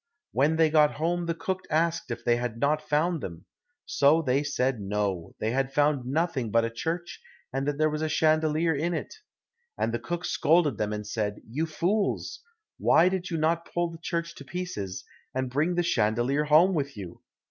When they got home, the cook asked if they had not found them; so they said no, they had found nothing but a church, and that there was a chandelier in it. And the cook scolded them and said, "You fools! why did you not pull the church to pieces, and bring the chandelier home with you?"